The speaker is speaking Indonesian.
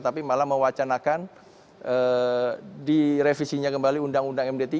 tapi malah mewacanakan direvisinya kembali undang undang md tiga